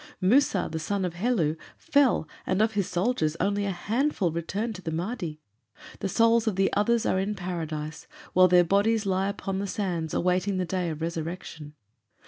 Musa, the son of Helu, fell, and of his soldiers only a handful returned to the Mahdi. The souls of the others are in Paradise, while their bodies lie upon the sands, awaiting the day of resurrection.